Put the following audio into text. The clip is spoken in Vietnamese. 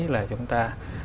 là chúng ta